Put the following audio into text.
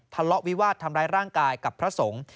ทะเลาะวิวาสทำร้ายร่างกายกับพระสงฆ์